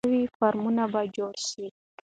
نوي فارمونه به جوړ شي.